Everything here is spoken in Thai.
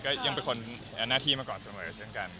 ก็ยังเป็นคนเอาหน้าที่มาก่อนสำหรับฉันกัน